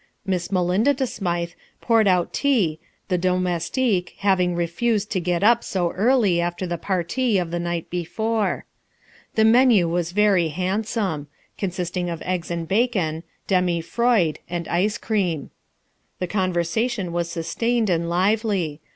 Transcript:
Miss Melinda De Smythe poured out tea, the domestique having refusé to get up so early after the partie of the night before. The menu was very handsome, consisting of eggs and bacon, demi froid, and ice cream. The conversation was sustained and lively. Mr.